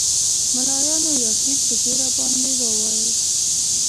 ملایانو یاسین په زوره باندې ووایاست.